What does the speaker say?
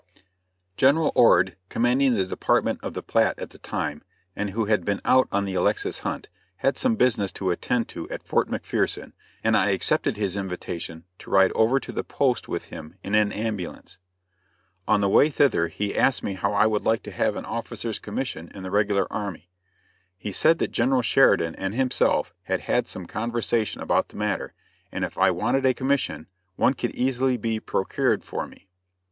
General Ord, commanding the Department of the Platte at the time, and who had been out on the Alexis hunt, had some business to attend to at Fort McPherson, and I accepted his invitation to ride over to the post with him in an ambulance. On the way thither he asked me how I would like to have an officer's commission in the regular army. He said that General Sheridan and himself had had some conversation about the matter, and if I wanted a commission, one could easily be procured for me.